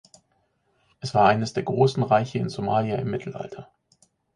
Es war eines der großen Reiche in Somalia im Mittelalter.